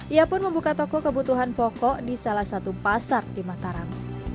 ia pun membuka toko kebutuhan pokok di salah satu pasar di mataram